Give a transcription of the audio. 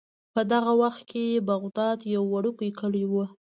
په دغه وخت کې بغداد یو وړوکی کلی و.